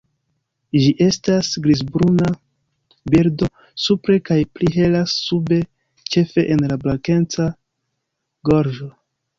Ĝi estas grizbruna birdo supre kaj pli hela sube ĉefe en la blankeca gorĝo.